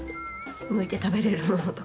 むいて食べれるものとか。